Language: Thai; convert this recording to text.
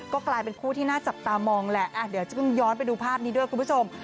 ก็กลายเป็นคู่ที่น่าจับตามองแหละเดี๋ยวจะเพิ่งย้อนไปดูภาพนี้ด้วยคุณผู้ชม